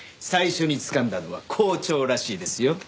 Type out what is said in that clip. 最初につかんだのは公調らしいですよ。